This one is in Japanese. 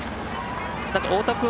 太田君